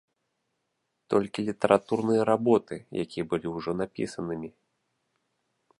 Толькі літаратурныя работы, якія былі ўжо напісанымі.